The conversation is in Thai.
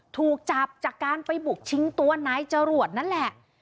ถูกจับจากการไปบุกชิงตัวนายจรวดนั่นแหละ